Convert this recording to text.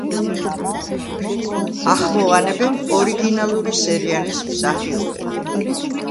ახმოვანებენ „ორიგინალური სერიალის“ მსახიობები.